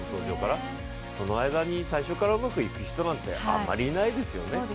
その間に最初からうまくいく人なんて、あんまりいないですよね。